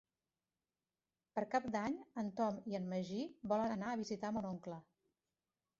Per Cap d'Any en Tom i en Magí volen anar a visitar mon oncle.